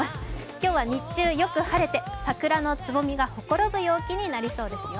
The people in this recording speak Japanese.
今日は日中よく晴れて桜のつぼみがほころぶ陽気になりそうですよ。